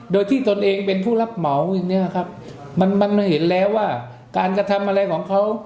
โดยที่ตนเองเป็นผู้รับเหมาอย่างนี้ครับมันมันเห็นแล้วว่าการกระทำอะไรของเขา